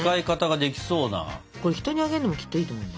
これ人にあげるのもきっといいと思うの。